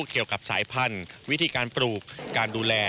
เกี่ยวกับสายพันธุ์วิธีการปลูกการดูแล